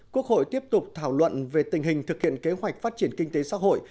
quốc hội tiếp tục thảo luận về tình hình thực hiện kế hoạch phát triển kinh tế xã hội